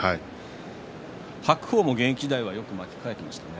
白鵬も現役時代はよく巻き替えていましたね。